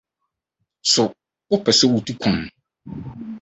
So wopɛ sɛ wutu kwan?